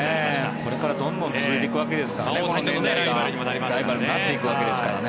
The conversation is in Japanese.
これからどんどん続いていくわけですからね。